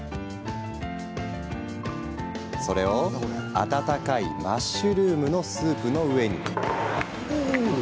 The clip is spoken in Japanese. それを温かいマッシュルームのスープの上に。